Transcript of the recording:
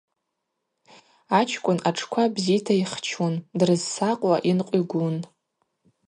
Ачкӏвын атшква бзита йхчун, дрызсакъуа йынкъвигун.